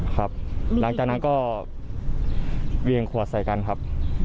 ครับหลังจากนั้นก็เวียงขวดใส่กันครับ